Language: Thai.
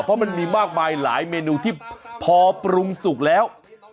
เพราะมันมีมากมายหลายเมนูที่พอปรุงสุกแล้ว